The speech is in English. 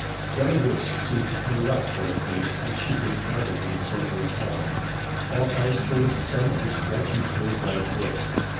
Granny Wicks seemed to erupt from her place to which she had crowded in the center of the hall. All eyes turned at the sound of her scratchy, birdlike voice.